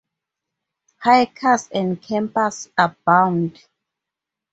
Hikers and campers abound.